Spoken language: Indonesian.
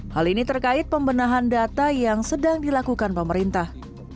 hal ini terkait pembenahan data yang sedang dilakukan pemerintah